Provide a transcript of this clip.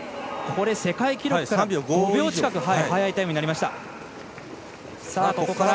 世界記録から５秒近く速いタイムになりました。